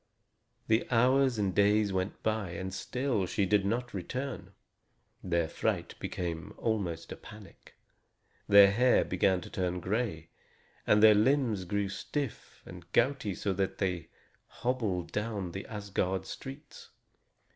The hours and days went by, and still she did not return. Their fright became almost a panic. Their hair began to turn gray, and their limbs grew stiff and gouty so that they hobbled down Asgard streets.